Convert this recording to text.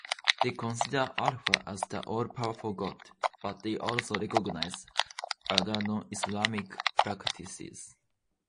They consider Allah as the all-powerful God, but they also recognize other non-Islamic practices.